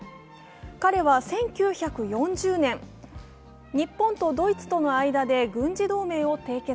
彼は１９４０年、日本とドイツとの間で軍事同盟を締結。